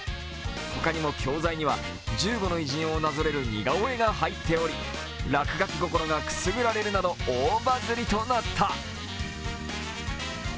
ほかにも教材には１５の偉人がなぞれる似顔絵が入っており、落書き心がくすぐられるなど、大バズりとなった。